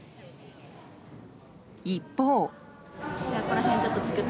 一方。